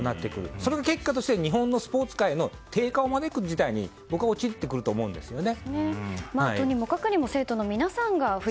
その結果として日本のスポーツ界の低下を招く事態に僕は陥ってくると思うんですよね。